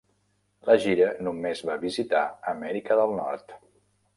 La gira només va visitar Amèrica del Nord.